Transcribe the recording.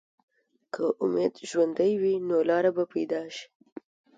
که امید ژوندی وي، نو لارې به پیدا شي.